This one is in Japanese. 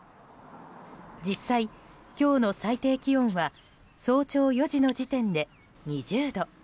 実際、今日の最低気温は早朝４時の時点で２０度。